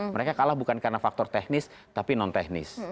mereka kalah bukan karena faktor teknis tapi non teknis